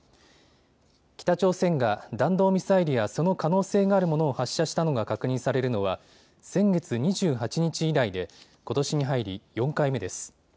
北朝鮮が弾道ミサイルやその可能性があるものを発射したのが確認されるのは先月２８日以来でことしに入り４回目です。